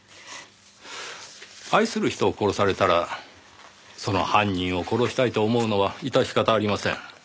愛する人を殺されたらその犯人を殺したいと思うのは致し方ありません。